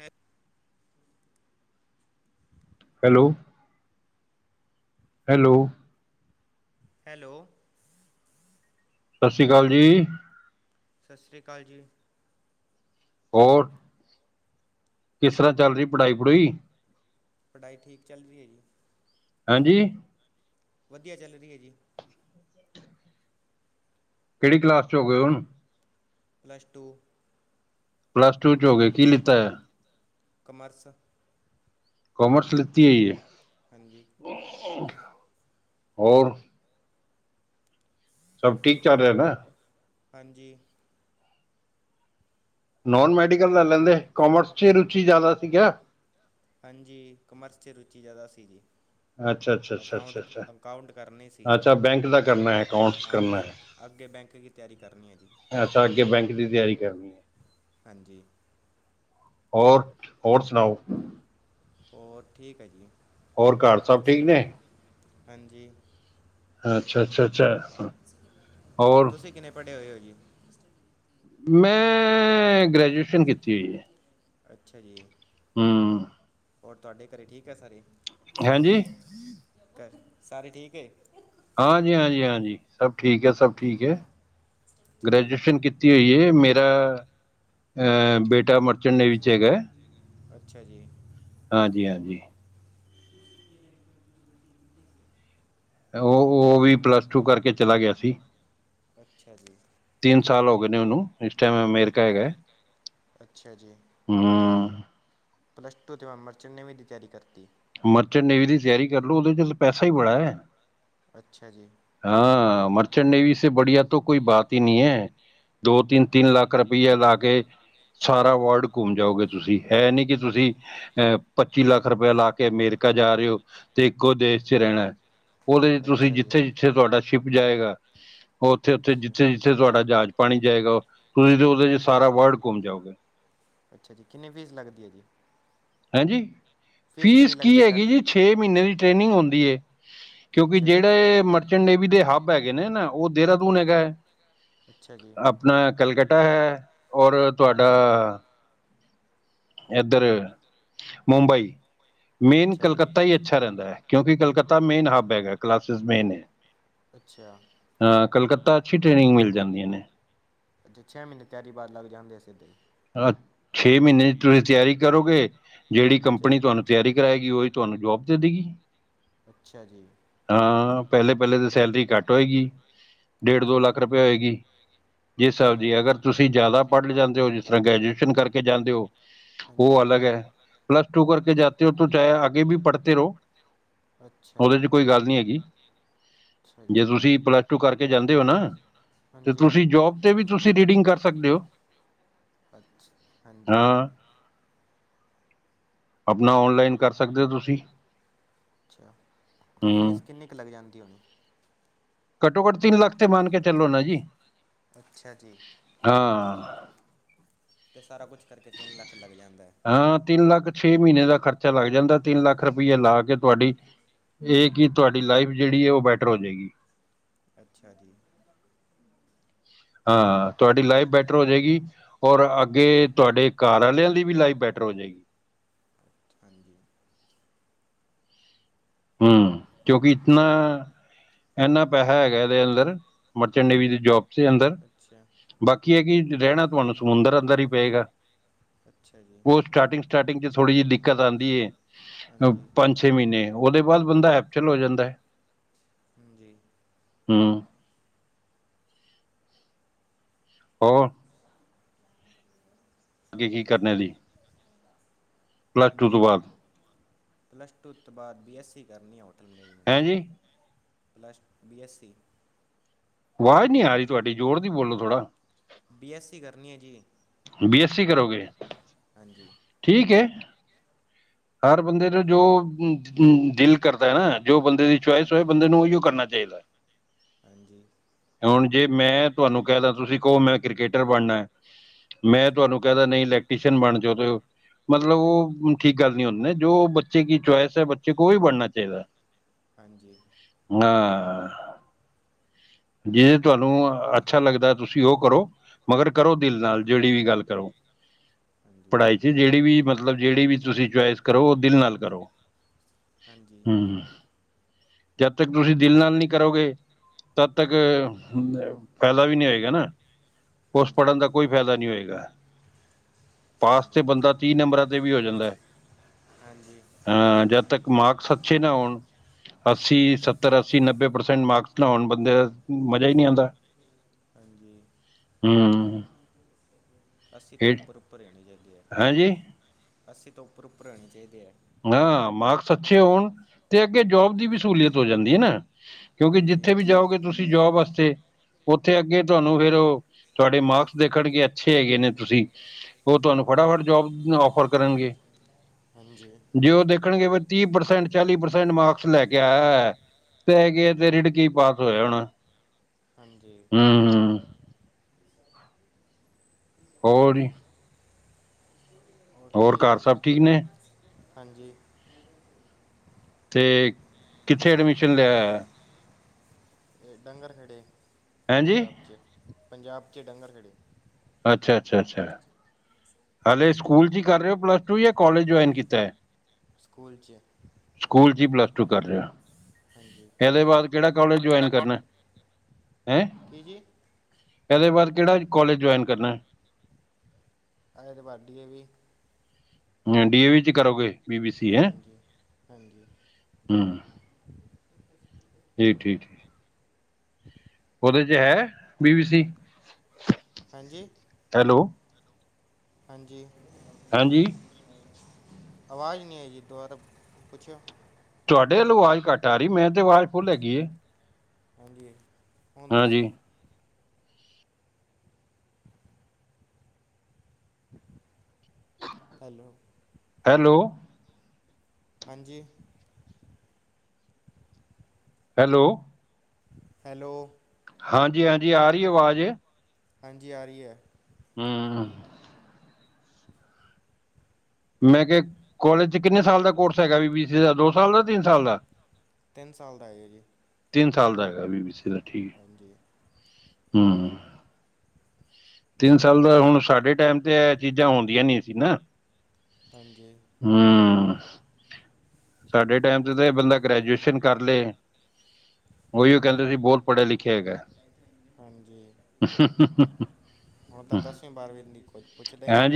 ਹੈ hello hello hello ਸਤਿ ਸ੍ਰੀ ਅਕਾਲ ਜੀ। ਸਤਿ ਸ਼੍ਰੀ ਅਕਾਲ ਜੀ। ਹੋਰ ਕਿਸ ਤਰ੍ਹਾਂ ਚੱਲ ਰਹੀ ਪੜ੍ਹਾਈ ਪੜੂਈ ਪੜ੍ਹਾਈ ਠੀਕ ਚੱਲ ਰਹੀ ਹੈਗੀ ਹਾਂਜੀ ਵਧੀਆ ਚੱਲ ਰਹੀ ਹੈ ਜੀ ਕਿਹੜੀ ਕਲਾਸ ਚ ਹੋ ਗਏ ਹੁਣ ਪਲੱਸ ਟੂ ਪਲੱਸ ਟੂ ਚ ਹੋ ਗਏ ਕੀ ਲਿੱਤਾ ਹੈ ਕੌਮਰਸ ਕੋਮਰਸ ਲਿੱਤੀ ਹੈ ਜ ਹੋਰ ਸਭ ਠੀਕ ਚੱਲ ਰਿਹਾ ਨਾ ਹਾਂਜੀ ਨੋਨ ਮੈਡੀਕਲ ਲੈ ਲੈਂਦੇ ਕਾਮਰਸ ਚ ਰੁਚੀ ਜ਼ਿਆਦਾ ਸੀਗਾ ਹਾਂਜੀ ਕਮਰਸ ਚ ਰੁਚੀ ਜ਼ਿਆਦਾ ਸੀ ਜੀ ਅੱਛਾ ਅੱਛਾ ਅੱਛਾ ਅੱਛਾ ਅੱਛਾ ਅੱਛਾ ਬੈਂਕ ਦਾ ਕਰਨਾ ਹੈ ਅਕਾਊਂਟਸ ਕਰਨਾ ਹੈ ਅੱਗੇ ਬੈਂਕ ਦੀ ਤਿਆਰੀ ਕਰਨੀ ਹੈ ਜੀ ਅੱਛਾ ਅੱਗੇ ਬੈਂਕ ਦੀ ਤਿਆਰੀ ਕਰਨੀ ਹੈ ਹਾਂਜੀ ਹੋਰ ਹੋਰ ਸੁਣਾਓ ਹੋਰ ਠੀਕ ਹੈ ਜੀ ਹੋਰ ਘਰ ਸਭ ਠੀਕ ਨੇ ਹਾਂਜੀ ਅੱਛਾ ਅੱਛਾ ਅੱਛਾ ਤੁਸੀਂ ਕਿੰਨੇ ਪੜ੍ਹੇ ਹੋਏ ਹੋ ਜੀ ਮੈਂ ਗ੍ਰੈਜੂਏਸ਼ਨ ਕੀਤੀ ਹੋਈ ਹੈ ਅੱਛਾ ਜੀ ਹਮ ਹੋਰ ਤੁਹਾਡੇ ਘਰ ਠੀਕ ਹੈ ਸਾਰੇ ਹਾਂਜੀ ਸਾਰੇ ਠੀਕ ਹੈ ਹਾਂਜੀ ਹਾਂਜੀ ਹਾਂਜੀ ਸਭ ਠੀਕ ਹੈ ਸਭ ਠੀਕ ਹੈ ਗ੍ਰੈਜੂਏਸ਼ਨ ਕੀਤੀ ਹੋਈ ਹੈ ਮੇਰੇ ਮੇਰਾ ਅਹ ਬੇਟਾ ਮਰਚਣ ਦੇ ਵਿੱਚ ਹੈਗਾ ਅੱਛਾ ਜੀ ਹਾਂਜੀ ਹਾਂਜੀ ਉਹ ਉਹ ਵੀ ਪਲੱਸ ਟੂ ਕਰਕੇ ਚਲਾ ਗਿਆ ਸੀ ਤਿੰਨ ਸਾਲ ਹੋ ਗਏ ਨੇ ਉਹਨੂੰ ਇਸ ਟਾਈਮ ਅਮਰੀਕਾ ਹੈਗਾ ਅੱਛਾ ਜੀ ਪਲੱਸ ਟੂ ਤੇ ਮਰਚੈਂਨ ਨੇ ਵੀ ਦੀ ਤਿਆਰੀ ਕਰਤੀ ਮਰਚੈਂਟ ਨੇਵੀ ਦੀ ਤਿਆਰੀ ਕਰਲੋ ਉਹਦੇ ਚ ਪੈਸਾ ਹੀ ਬੜਾ ਹੈ ਅੱਛਾ ਜੀ ਮਰਚੈਟ ਨਵੀ ਸੇ ਬੜੀਆ ਤਾਂ ਕੋਈ ਬਾਤ ਹੀ ਨਹੀਂ ਹੈ ਦੋ ਤਿੰਨ ਤਿੰਨ ਲੱਖ ਰੁਪਈਆ ਲਾ ਕੇ ਸਾਰਾ ਵਰਡ ਘੁੰਮ ਜਾਓਗੇ ਤੁਸੀਂ ਹੈ ਨੀ ਕਿ ਤੁਸੀਂ ਅਹ ਪੱਚੀ ਲੱਖ ਰੁਪਇਆ ਲਾ ਕਿ ਅਮੇਰੀਕਾ ਜਾ ਰਹੇ ਹੋ ਤੇ ਇੱਕੋ ਦੇਸ਼ ਚ ਰਹਿਣਾ ਉਹਦੇ ਤੁਸੀਂ ਜਿੱਥੇ ਜਿੱਥੇ ਤੁਹਾਡਾ ਸ਼ਿਪ ਜਾਏਗਾ ਉੱਥੇ ਉੱਥੇ ਜਿੱਥੇ ਜਿੱਥੇ ਤੁਹਾਡਾ ਜਾਂਚ ਪਾਣੀ ਜਾਏਗਾ ਤੁਸੀਂ ਤੇ ਉਹਦੇ ਚ ਸਾਰਾ ਵਰਲਡ ਘੁੰਮ ਜਾਓਗੇ ਅੱਛਾ ਜੀ ਕਿੰਨੀ ਫੀਸ ਲੱਗਦੀ ਹੈ ਜੀ ਹਂਜੀ ਫੀਸ ਕੀ ਹੈਗੀ ਜੀ ਛੇ ਮਹੀਨੇ ਦੀ ਟ੍ਰੇਨਿੰਗ ਹੁੰਦੀ ਹੈ ਕਿਉਂਕਿ ਜਿਹੜੇ ਇਹ ਮਰਚੈਨ ਡੇਵੀ ਦੇ ਹੱਬ ਹੈਗੇ ਨੇ ਨਾ ਉਹ ਦੇਹਰਾਦੂਨ ਹੈਗਾ ਹੈ ਆਪਣਾ ਕਲਕੱਟਾ ਹੈ ਔਰ ਤੁਹਾਡਾ ਇੱਧਰ ਮੁੰਬਈ ਮੇਨ ਕਲਕੱਤਾ ਹੀ ਅੱਛਾ ਰਹਿੰਦਾ ਹੈ, ਕਿਉਂਕਿ ਕਲਕਤਾ ਮੇਨ ਹੱਬ ਹੈਗਾ ਕਲਾਸਿਸ ਮੇਨ ਹੈ। ਅੱਛਾ। ਕਲਕੱਤਾ ਅੱਛੀ ਟ੍ਰੇਨਿੰਗ ਮਿਲ ਜਾਂਦੀਆਂ ਨੇ ਛੇ ਮਹੀਨੇ ਤਿਆਰੀ ਵਾਰ ਲੱਗ ਜਾਂਦੇ ਨੇ ਛੇ ਮਹੀਨੇ ਚ ਤੁਸੀਂ ਤਿਆਰੀ ਕਰੋਗੇ ਜਿਹੜੀ ਕੰਪਨੀ ਤੁਹਾਨੂੰ ਤਿਆਰੀ ਕਰਾਏ ਉਹੀ ਤੁਹਾਨੂੰ ਜੋਬ ਦੇ ਦੇਗੀ? ਅੱਛਾ ਜੀ। ਹਾਂ ਪਹਿਲੇ ਪਹਿਲੇ ਤੇ ਸੈਲਰੀ ਘੱਟ ਹੋਏਗੀ ਡੇਢ ਦੋ ਲੱਖ ਰੁਪਏ ਹੋਏਗੀ। ਜਿਸ ਹਿਸਾਬ ਦੀ ਅਗਰ ਤੁਸੀਂ ਜ਼ਿਆਦਾ ਪੜ੍ਹ ਜਾਂਦੇ ਹੋ ਜਿਸ ਤਰ੍ਹਾਂ ਗ੍ਰੈਜੂਏਸ਼ਨ ਕਰਕੇ ਜਾਂਦੇ ਹੋ ਉਹ ਅਲੱਗ ਹੈ, ਪਲੱਸ ਟੂ ਕਰਕੇ ਜਾਤੇ ਹੋ ਤੋ ਚਾਹੇ ਆਗੇ ਭੀ ਪੜ੍ਹਦੇ ਰਹੋ। ਉਹਦੇ ਚ ਕੋਈ ਗੱਲ ਨੀ ਹੈਗੀ। ਜੇ ਤੁਸੀਂ ਪਲੱਸ ਟੂ ਕਰਕੇ ਜਾਂਦੇ ਹੋ ਨਾ, ਤੇ ਤੁਸੀਂ ਜੋਬ ਤੇ ਵੀ ਤੁਸੀਂ ਰੀਡਿੰਗ ਕਰ ਸਕਦੇ ਹੋ। ਅਛਾ, ਹਾਂਜੀ, ਹਮ। ਆਪਣਾ ਓਨਲਾਈਨ ਕਰ ਸਕਦੇ ਹੋ ਤੁਸੀਂ। ਅੱਛਾ ਅਤੇ ਫ਼ੀਸ ਕਿੰਨੀ ਕੁ ਲੱਗ ਜਾਂਦੀ ਹੋਣੀ? ਘੱਟੋ ਘੱਟ ਤਿੰਨ ਲੱਖ ਤੇ ਮਾਨ ਕੇ ਚਲੋ ਨਾ ਜੀ। ਅੱਛਾ ਜੀ। ਹਾਂ। ਸਾਰਾ ਕੁਛ ਕਰਕੇ ਤਿੰਨ ਲੱਖ ਹਾਂ ਤਿੰਨ ਲੱਖ ਛੇ ਮਹੀਨੇ ਦਾ ਖਰਚਾ ਲੱਗ ਜਾਂਦਾ, ਤਿੰਨ ਲੱਖ ਰੁਪਈਆ ਲਾ ਕੇ ਤੁਹਾਡੀ ਇਹ ਕਿ ਤੁਹਾਡੀ ਲਾਈਫ ਜਿਹੜੀ ਹੈ ਉਹ ਬੈਟਰ ਹੋ ਜਾਏਗੀ। [inaudible] ਹਾਂ ਤੁਹਾਡੀ ਲਾਈਫ ਬੈਟਰ ਹੋ ਜਾਏਗੀ। ਔਰ ਅੱਗੇ ਤੁਹਾਡੇ ਘਰ ਆਲਿਆਂ ਦੀ ਵੀ ਲਾਈਫ ਬੈਟ ਟਰ ਹੋ ਜਾਏਗੀ। ਹਾਂਜੀ। ਹਮ ਕਿਉਂਕਿ ਇਤਨਾ ਇੰਨਾ ਪੈਸਾ ਹੈਗਾ ਇਹਦੇ ਅੰਦਰ ਮਚਣ ਡ ਵੀ ਦੀ ਜੋਬਸ ਅੰਦਰ ਅੱਛਾ। ਕੀ ਹੈ ਕਿ ਰਹਿਣਾ ਤੁਹਾਨੂੰ ਸਮੁੰਦਰ ਅੰਦਰ ਹੀ ਪਏਗਾ। ਉਹ ਸਟਾਰਟਿੰਗ ਸਟਾਰਟਿੰਗ ਚ ਥੋੜੀ ਜਿਹੀ ਦਿੱਕਤ ਆਂਦੀ ਏ, ਪੰਜ ਛੇ ਮਹੀਨੇ। ਉਹਦੇ ਬਾਅਦ ਬੰਦਾ ਐਪਚਲ ਹੋ ਜਾਂਦਾ ਏ। ਹਮ। ਹੋਰ। ਅਗੇ ਕੀ ਕਰਨੇ ਲਈ? ਪਲੱਸ ਟੂ ਤੋਂ ਬਾਅਦ। ਪਲੱਸ ਟੂ ਤੋਂ ਬਾਅਦ ਬੀ ਐੱਸ ਈ ਕਰਨੀ ਹੁਣ। ਹੈਂ ਜੀ। Plus two B S E. ਆਵਾਜ਼ ਨਹੀਂ ਆ ਰਹੀ ਤੁਹਾਡੀ, ਜੋੜ ਦੀ ਬੋਲੋ ਥੋੜਾ। ਬੀ ਐੱਸ ਸੀ ਕਰਨੀ ਏ ਜੀ। ਬੀ ਐੱਸ ਸੀ ਕਰੋਗੇ? ਠੀਕ ਹੈ। ਹਰ ਬੰਦੇ ਦੇ ਜੋ ਦਿਲ ਕਰਦਾ ਹੈ ਨਾ ਜੋ ਬੰਦੇ ਦੀ ਚੋਇਸ ਹੋਏ, ਬੰਦੇ ਨੂੰ ਉਹੀਓ ਕਰਨਾ ਚਾਹੀਦਾ ਏ। ਹਾਂਜੀ। ਹੁਣ ਜੇ ਮੈਂ ਤੁਹਾਨੂੰ ਕਹਿ ਦਾ, ਤੁਸੀਂ ਕਹੋ ਮੈਂ ਕ੍ਰਿਕਕੇਟਰ ਬਣਨਾ ਮੈਂ ਤੁਹਾਨੂੰ ਕਹਿਦਾ ਨਹੀਂ ਇਲੈਕਟ੍ਰੀਸ਼ੀਅਨ ਬਣ ਜਾਓ, ਮਤਲਬ ਉਹ ਠੀਕ ਗੱਲ ਨੀ ਹੁੰਦੀ ਨਾ, ਜੋ ਬੱਚੇ ਕੀ ਚਵਾਇਸ ਹੈ ਬੱਚੇ ਕੋ ਓਹੀ ਬਣਨਾ ਚਾਹੀਦਾ। ਹਾਂਜੀ। ਹਾਂ, ਜੇ ਤੁਹਾਨੂੰ ਅੱਛਾ ਲੱਗਦਾ ਤੁਸੀਂ ਉਹ ਕਰੋ। ਮਗਰ ਕਰੋ ਦਿਲ ਨਾਲ, ਜਿਹੜੀ ਵੀ ਗੱਲ ਕਰੋ। ਪੜ੍ਹਾਈ ਚ ਜਿਹੜੀ ਵੀ ਮਤਲਬ ਜਿਹੜੀ ਵੀ ਤੁਸੀਂ ਚੁਆਇਸ ਕਰੋ, ਉਹ ਦਿਲ ਨਾਲ ਕਰੋ। ਹਮ, ਜਦ ਤੱਕ ਤੁਸੀਂ ਦਿਲ ਨਾਲ ਨੀ ਕਰੋਗੇ ਤਦ ਤੱਕ ਫਾਇਦਾ ਵੀ ਨਹੀਂ ਹੋਏਗਾ ਨਾ। ਉਸਸਪੜ੍ਹਨ ਦਾ ਕੋਈ ਫਾਇਦਾ ਨਹੀਂ ਹੋਏਗਾ। ਪਾਸ ਤੇ ਬੰਦਾ ਤੀਹ ਨੰਬਰਾਂ ਤੇ ਵੀ ਹੋ ਜਾਂਦਾ ਹੈ। ਹਾਂਜੀ। ਤੱਕ ਮਾਰਕਸ ਅੱਛੇ ਨਾ ਹੋਣ ਅੱਸੀ, ਸੱਤਰ, ਅੱਸੀ, ਨੱਬੇ ਪ੍ਰਸੈਂਟ ਮਾਰਕਸ ਨਾ ਲਾਉਣ, ਬੰਦੇ ਦਾ ਮਜ਼ਾ ਹੀ ਨਹੀਂ ਆਉਂਦਾ। ਹਮ ਅਸੀਂ ਤਾਂ ਉੱਪਰ ਉੱਪਰ ਹੀ ਚਏ ਹਂਜੀ ਅਸੀਂ ਤਾਂੱਪਰਪਰ ਆਣੇ ਚਾਹੀਦੇ ਹੈ ਹਾਂ ਮਾਰਕਸ ਅੱਛੇ ਹੋਣ ਤੇ ਅੱਗੇ ਜੋਬ ਦੀ ਵੀ ਸਹੂਲੀਅਤ ਹੋ ਜਾਂਦੀ ਨਾ ਕਿਉਂਕਿ ਜਿੱਥੇ ਵੀ ਜਾਓਗੇ ਤੁਸੀਂ ਜੋਬ ਵਾਸਤੇ ਉੱਥੇ ਅੱਗੇ ਤੁਹਾਨੂੰ ਫੇਿਰ ਉਹ ਤੁਹਾਡੇ ਮਾਰਕਸ ਦੇਖਣਗੇ ਅੱਛੇ ਹੈਗੇ ਨੇ ਤੁਸੀਂ ਉਹ ਤੁਹਾਨੂੰ ਫਟਾਫਟ ਜੋਬ ਔਫਰ ਕਰਨਗੇ ਹਾਂਜੀ ਜੇ ਉਹ ਦੇਖਣਗੇ ਬ ਤੀਹ ਪ੍ਰਸੈਂਟ ਚਾਲੀ ਪ੍ਰਸੈਂਟ ਮਾਰਕਸ ਲੈ ਕੇ ਆਇਆ ਹੈ ਹੈਗੇ ਤੇ ਰਿੀੜਕ ਪਾਸ ਹੋਇਆ ਹੋਣਾ ਹਮ ਹੋਰ ਜੀ ਹੋਰ ਘਰ ਸਭ ਠੀਕ ਨੇ ਹਾਂਜੀ ਤੇ ਕਿੱਥੇ ਐਡਮਿਸ਼ਨ ਲਿਆਆ ਡੰਗਰ ਖੜ੍ਹੇ ਪੰਜਾਬ ਚ ਪੰਜਾਬ ਚ ਡੰਗਰ ਖੜ੍ਹੇ ਅੱਛਾ ਅੱਛਾ ਅੱਛਾ ਹਲੇੇ ਸਕੂਲ ਚ ਹੀ ਕਰ ਰਹੇ ਹੋ ਪਲੱਸ ਟੂ ਜਾਂ ਕੋਾਲਜ ਜੁਆਇਨ ਕੀਤਾ ਹੈ? ਸਕੂਲ ਚ ਟੂ ਕਰ ਰਿਹਾ ਇਹਦੇ ਬਾਅਦ ਕਿਹੜਾ ਕੋਲਜ ਜੁਆਇਨ ਕਰਨਾ ਏ? ਕੀ ਜੀ ਇਹਦੇ ਬਾਅਦ ਕਿਹੜਾ ਕੋਾਲਜ ਜੁਆਇਨ ਕਰਨਾ [unintelligible] ਹ ਡੀ ਏ ਵੀ ਚ ਕਰੋਗੇ ਹਾਂਜੀ ਹਾਂਜੀ ਹਮ ਠੀਕ ਠੀਕ ਉਹਦੇ ਚ ਹੈ ਬੀਬੀ ਸੀ ਹੈਲੋ ਹਾਂਜੀ ਹਾਂਜੀ ਆਵਾਜ਼ ਨਹੀਂੀ ਆਈ ਜੀ ਦੁਬਾਰਾ ਪੁੱਛਓ ਤੁਹਾਡੇ ਵਲੋਂ ਆਵਾਜ਼ ਘੱਟ ਆ ਰਹੀ ਮੈਂ ਤੇ ਆਵਾਜ਼ ਫੁੱਲ ਹੈਗੀ ਆ ਹਾਂਜੀ ਹੁਣ ਦੱਸੋ ਹੈਲੋ ਹੈਲੋ ਹਾਂਜੀ ਹੈਲੋ ਹੈਲੋ ਹਾਂਜੀ ਹਾਂਜੀ ਆ ਰਹੀ ਆਵਾਜ਼ ਹਾਂਜੀ ਆ ਰਹੀ ਹੈ ਹਮ ਮੈਂ ਕਿਹਾ ਕੋਾਲਜ ਚ ਕਿੰਨੇ ਸਾਲ ਦਾ ਕੋਰਸ ਹੈਗਾ ਬਬੀ ਸੀ ਦਾ ਦੋ ਸਾਲ ਦਾ ਤਿੰਨ ਸਾਲ ਦਾ ਤਿੰਨ ਸਾਲ ਦਾ ਹੈਗਾ ਜੀ ਚੱਲਦਾ ਹੈਗਾ ਬੀਬੀ ਸੀ ਨਾਲ ਹਾਂਜੀ ਹਮ ਤਿੰਨ ਸਾਲ ਦਾ ਹੁਣ ਸਾਡੇ ਟਾਈਮ ਤੇ ਇਹ ਚੀਜ਼ਾਂ ਆਉਂਦੀਆਂ ਨੀ ਸੀ ਨਾ [unintelligible] ਸਾਡੇ ਟਾਈਮ ਤੇ ਤਾਂ ਇਹ ਬੰਦਾ ਗ੍ਰੈਜੂਏਸ਼ਨ ਕਰ ਲਏ ਉਹੀਓ ਕਹਿੰਦੇ ਸੀ ਬਹੁਤ ਪੜ੍ਹੇ ਲਿਖੇ ਹੈਗਾ ਹੁਣ ਤਾਂ ਦਸਵੀਂ ਬਾਰ੍ਹਵੀਂ ਦੀ ਕੋਝ ਪੁੱਛਦਾ ਹੀਈ ਨਹੀਂ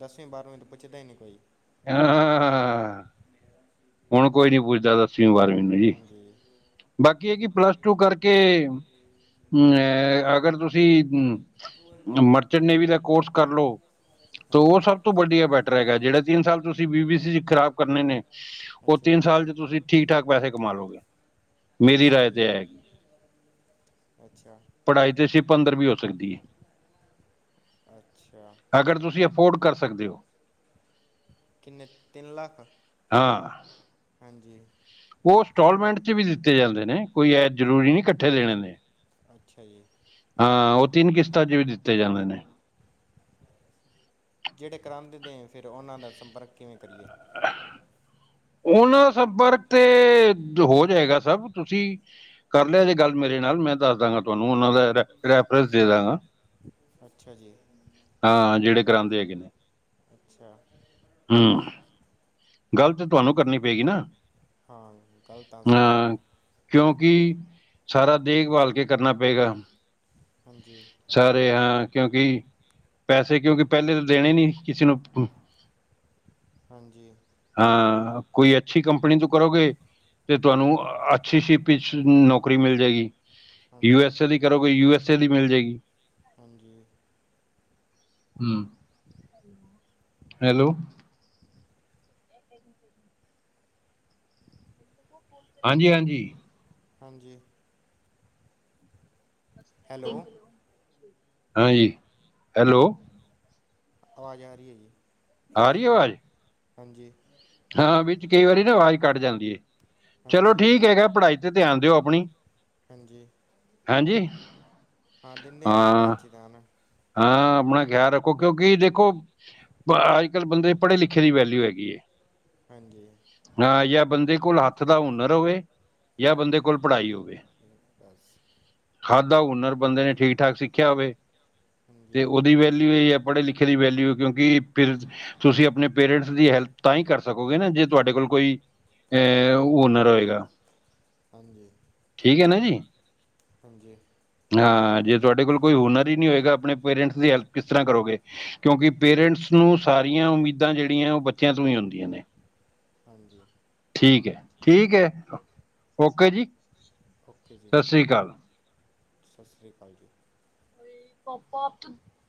ਦਸਵੀਂ ਬਾਰ੍ਹਵੀਂ ਤੋਂ ਪੁੱਛਦਾ ਹੀ ਨਹੀਂੀ ਕੋਈ ਹਾਂ ਹਾਂ ਹਾਂ ਹੁਣ ਕੋਈ ਨੀ ਪੁੱਛਦਾ ਦਸਵੀਂ ਬਾਰਵੀਂ ਹਾਂਜੀ ਬਾਕੀ ਇਹ ਕਿ ਪਲੱਸ ਟੂ ਕਰਕੇ ਅਮ ਅਗਰ ਤੁਸੀਂ ਅ ਮਰਚੈਂਟ ਨੇਵੀ ਦਾ ਕੋਰਸ ਕਰ ਲਓ ਤੇ ਉਹ ਸਭ ਤੋਂ ਵੱਡੀਆ ਬੈਟਰ ਹੈਗਾ ਜਿਹੜਾ ਤਿੰਨ ਸਾਲ ਤੁਸੀਂ ਬੀਬੀ ਸੀ ਚ ਖ਼ਰਾਬ ਕਰਨੇ ਨੇ ਉਹ ਤਿੰਨ ਸਾਲ ਚ ਤੁਸੀਂ ਠੀਕ ਠਾਕ ਪੈਸੇ ਕਮਾਲਓਗੇ ਮੇਰੀ ਰਾਏ ਤੇ ਹੈ ਹੈਗੀ ਪੜ੍ਹਾਈ ਤੇ ਅਸੀ ਪੰਦਰ ਵੀ ਹੋ ਸਕਦੀ ਹੈ ਅਗਰ ਤੁਸੀਂ ਅਫੋਰਡ ਕਰ ਸਕਦੇ ਹੋ ਕਿੰਨੇ ਤਿੰਨ ਲੱਖ ਹਾਂਜੀ ਉਹ ਇੰਸਟਾਲਮੈਂਟ ਚ ਵੀ ਦਿੱਤੇ ਜਾਂਦੇ ਨੇ ਕੋਈ ਇਹ ਜ਼ਰੂਰੀ ਨਹੀਂ ਇਕੱਠੇ ਦੇਣੇ ਨੇ ਅੱਛਾ ਜੀ ਹਾਂ ਉਹ ਤਿੰਨ ਕਿਸ਼ਤਾਂ ਚ ਵੀ ਦਿੱਤੇ ਜਾਂਦੇ ਨੇ ਜਿਹੜੇ ਕਰਾਂਦੇ ਨੇ ਫਿਰ ਉਹਨਾਂ ਦਾ ਸੰਪਰਕ ਕਿਵੇਂ ਕਰੀਏ [inaudible] ਉਹਨਾਂ ਸੰਪਰਕ ਤੇ ਹੋ ਜਾਏਗਾ ਸਭ ਤੁਸੀਂ ਕਰ ਲਿਆ ਜੇ ਗੱਲ ਮੇਰੇ ਨਾਲ ਮੈਂ ਦੱਸ ਦਾਂਗਾ ਤੁਹਾਨੂੰ ਉਹਨਾਂ ਦਾ ਰੈਫਰੈਂਸ ਦੇ ਦਾਂਗਾ ਅੱਛਾ ਜੀ ਗਰਾਂਦੇ ਹੈਗੇ ਨੇ ਅੱਛਾ ਹਮ ਗੱਲਤ ਤੁਹਾਨੂੰ ਕਰਨੀ ਪਏਗੀ ਨਾ ਹਾਂ ਗੱਲ ਤਾਂ ਅਸੀਂ ਕਰਾਂਗੇ ਸਾਰਾ ਦੇਖਭਾਲ ਕੇ ਕਰਨਾ ਪਏਗਾ ਸਾਰੇ ਹਾਂ ਕਿਉਂਕਿ ਪੈਸੇ ਕਿਉਂਕਿ ਪਹਿਲੇ ਤਾਂ ਦੇਣੇ ਨਹੀਂੀ ਕਿਸੇ ਨੂੰ ਹਾਂਜੀ ਹਾਂ ਕੋਈ ਅੱਛੀ ਕੰਪਨੀ ਤੋਂ ਕਰੋਗੇ ਤੇ ਤੁਹਾਨੂੰ ਅੱਛੀ ਸੀ ਨੌਕਰੀ ਮਿਲ ਜਾਏਗੀ ਯੂ ਐਸ ਏ ਦੀ ਕਰੋਗੇ ਯੂ ਐਸ ਏ ਦੀ ਮਿਲ ਜਾਏਗੀ ਹਾਂਜੀ ਹਮ ਹੈਲੋ ਹਾਂਜੀ ਹਾਂਜੀ ਹਾਂਜੀ ਹੈਲੋ ਹਾਂਜੀ ਹੈਲੋ ਆਵਾਜ਼ ਆ ਰਹੀ ਹੈ ਜੀ ਆ ਰਹੀ ਹੈ ਆਵਾਜ਼ ਹਾਂਜੀ ਹਾਂ ਵਿੱਚ ਕਈ ਵਾਰੀ ਨਾ ਆਵਾਜ਼ ਕੱਢ ਜਾਂਦੀ ਹੈ ਚਲੋ ਠੀਕ ਹੈਗਾ ਪੜ੍ਹਾਈ ਤੇ ਧਿਆਨ ਦਿਓ ਆਪਣੀ ਹਾਂਜੀ ਹਾਜੀ ਹਾਂ ਦਿੰਦੇ ਆ ਜੀ ਪੜ੍ਹਾਈ ਚ ਤਾਂ ਨਾ। ਹਾਂ ਆਪਣਾ ਖਿਆਲ ਰੱਖੋ ਕਿਉਂਕਿ ਦੇਖੋ ਅੱਜ ਕੱਲ੍ਹ ਬੰਦੇ ਪੜ੍ਹੇ ਲਿਖੇ ਦੀ ਵੈਲਿਊ ਹੈਗੀ। ਹਾਂ ਜਾਂ ਬੰਦੇ ਕੋਲ ਹੱਥ ਦਾ ਹੁਨਰ ਹੋਵੇ ਜਾਂ ਬੰਦੇ ਕੋਲ ਕੋਲ ਪੜ੍ਹਾਈ ਹੋਵੇ ਹੱਥ ਦਾ ਹੁਨਰ ਬੰਦੇ ਨੇ ਠੀਕ ਠਾਕ ਸਿੱਖਿਆ ਹੋਵੇ। ਤੇ ਉਹਦੀ ਵੈਲਊ ਇਹ ਹੈ। ਪੜ੍ਹੇ ਲਿਖੇ ਦੀ ਵੈਲਿਊ ਕਿਉਂਕਿ ਫਿਰ ਤੁਸੀਂ ਆਪਣੇ ਪੇਰੈਂਟਸ ਦੀ ਹੈਲਪ ਤਾਂ ਹੀ ਕਰ ਸਕੋਗੇ ਨਾ ਜੇ ਤੁਹਾਡੇ ਕੋਲ ਕੋਈ ਤਾਂ ਹੂਨਰ ਹੋਏਗਾ। ਹਾਂਜੀ। ਠੀਕ ਹੈ ਨਾ ਜੀ। ਹਾਂਜੀ। ਹਾਂ ਜੇ ਤੁਹਾਡੇ ਕੋਲ ਕੋਈ ਹੁਨਰ ਹੀ ਨੀ ਹੋਏਗਾ। ਆਪਣੇ ਪੇਰੈਂਟਸ ਦੀ ਹੈਲਪ ਕਿਸ ਤਰ੍ਹਾਂ ਕਰੋਗੇ ਕਿਉਂਕਿ ਪੇਰੈਂਟਸ ਨੂੰ ਸਾਰੀਆਂ ਉਮੀਦਾਂ ਜਿਹੜੀਆਂ ਉਹ ਬੱਚਿਆਂ ਤੋਂ ਹੁੰਦੀਆਂ ਨੇ। ਠੀਕ ਹੈ ਠੀਕ ਹੈ ਓਕੇ ਜੀ! ਸਤਿ ਸ੍ਰੀ ਅਕਾਲ। ਸਤਿ ਸ਼੍ਰੀ ਅਕਾਲ ਜੀ। [inaudible]